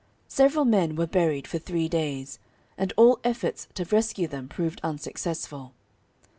several men were buried for three days, and all efforts to rescue them proved unsuccessful.